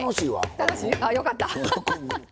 よかった。